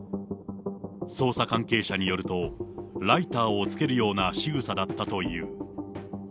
捜査関係者によると、ライターをつけるようなしぐさだったという。